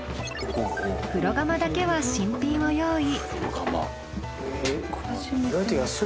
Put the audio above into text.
風呂釜だけは新品を用意。